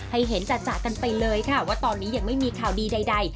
ให้เห็นจัดกันไปเลยค่ะว่าตอนนี้ยังไม่มีข่าวดีใด